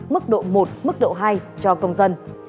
mức độ một mức độ hai cho công dân